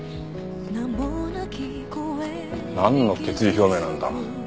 なんの決意表明なんだ。